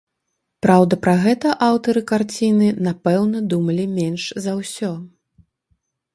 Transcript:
Праўда, пра гэта аўтары карціны, напэўна, думалі менш за ўсё.